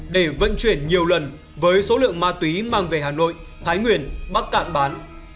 để vận chuyển nhiều lần với số lượng ma túy mang về hà nội thái nguyên bắc cạn bán